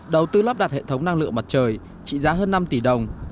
đầu tư lắp đặt hệ thống năng lượng mặt trời trị giá hơn năm tỷ đồng